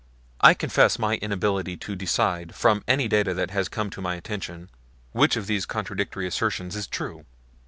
I confess my inability to decide, from any data that have come to my attention, which of these contradictory assertions is true.